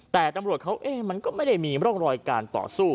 แต่ตำรวจเขาเอ๊ะมันก็ไม่ได้มีร่องรอยการต่อสู้